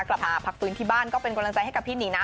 กลับมาพักฟื้นที่บ้านก็เป็นกำลังใจให้กับพี่หนิงนะ